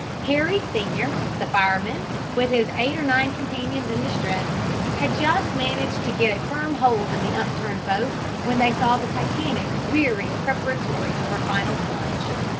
Harry Senior, the fireman, with his eight or nine companions in distress, had just managed to get a firm hold in the upturned boat when they saw the Titanic rearing preparatory to her final plunge.